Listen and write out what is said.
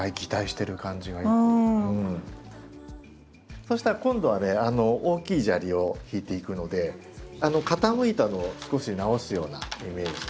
そうしたら今度はね大きい砂利をひいていくので傾いたのを少し直すようなイメージで。